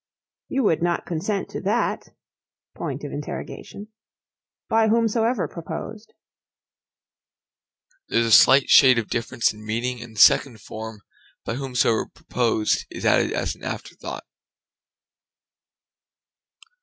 You would not consent to that? by whomsoever proposed. There is a slight shade of difference in meaning; in the second form, "by whomsoever proposed" is added as an afterthought.